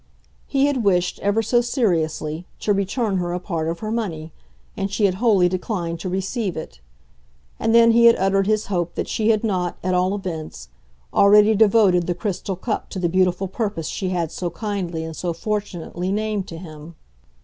He had wished, ever so seriously, to return her a part of her money, and she had wholly declined to receive it; and then he had uttered his hope that she had not, at all events, already devoted the crystal cup to the beautiful purpose she had, so kindly and so fortunately, named to him.